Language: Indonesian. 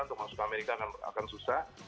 untuk masuk ke amerika akan susah